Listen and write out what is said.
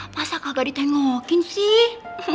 masa kagak ditengokin sih